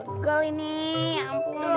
begel ini ampun